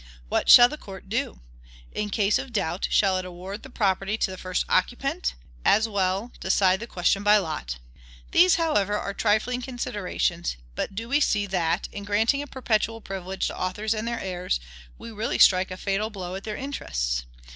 What shall the court do? In case of doubt, shall it award the property to the first occupant? As well decide the question by lot. These, however, are trifling considerations; but do we see that, in granting a perpetual privilege to authors and their heirs, we really strike a fatal blow at their interests?